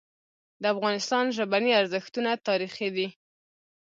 د افغانستان ژبني ارزښتونه تاریخي دي.